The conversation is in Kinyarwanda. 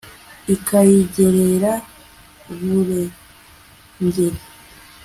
ikayigerera i buringeri